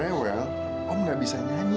kamu yang antung ya sayang sama om ya